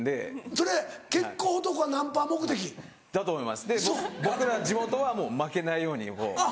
それ結構男はナンパ目的？だと思いますで僕ら地元は負けないように。